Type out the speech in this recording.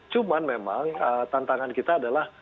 cuman memang tantangan kita adalah